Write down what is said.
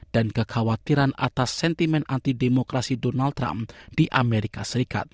dan kekhawatiran atas sentimen antidemokrasi donald trump di amerika serikat